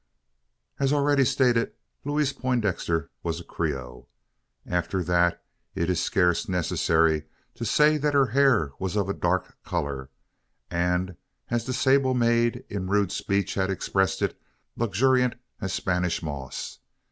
As already stated, Louise Poindexter was a Creole. After that, it is scarce necessary to say that her hair was of a dark colour; and as the sable maid in rude speech had expressed it luxuriant as Spanish moss.